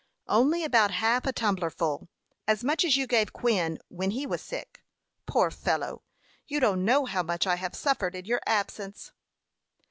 "Only about half a tumbler full as much as you gave Quin when he was sick. Poor fellow! You don't know how much I have suffered in your absence."